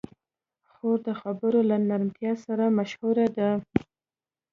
خور د خبرو له نرمتیا سره مشهوره ده.